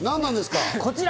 こちら！